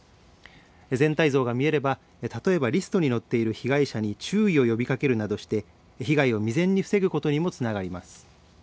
全体像が見えれば例えばリストに載っている被害者に注意を呼びかけるなどして被害を未然に防ぐことにもつながります。